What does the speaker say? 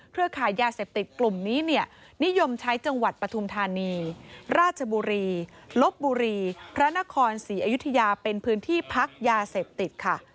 ขายยาเสพติดกลุ่มนี้เนี่ยนิยมใช้จังหวัดปฐุมธานีราชบุรีลบบุรีพระนครศรีอยุธยาเป็นพื้นที่พักยาเสพติดค่ะ